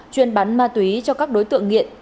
chuyên bán ma túy cho các đối tượng nghiện